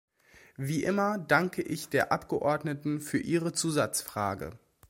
Wie immer danke ich der Abgeordneten für ihre Zusatzfrage.